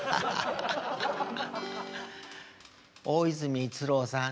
大泉逸郎さん